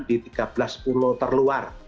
di tiga belas pulau terluar